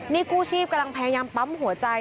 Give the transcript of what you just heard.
นี่กู้ชีพกำลังพยายามปั๊มหัวใจ